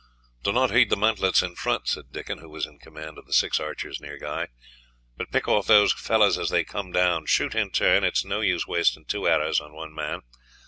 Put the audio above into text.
"Do not heed the mantlets in front," said Dickon, who was in command of the six archers near Guy, "but pick off those fellows as they come down. Shoot in turn; it is no use wasting two arrows on one man.